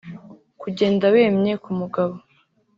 Kugenda wemye ku mugabo